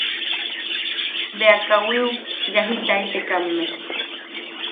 Bea kawiu yajitaitekamme;.